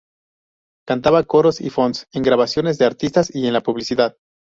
Cantaba coros y fonds, en grabaciones de artistas y en la publicidad.